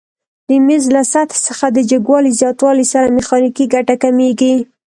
د میز له سطحې څخه د جګوالي زیاتوالي سره میخانیکي ګټه کمیږي؟